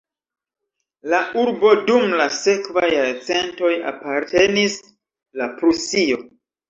La urbo dum la sekvaj jarcentoj apartenis la Prusio.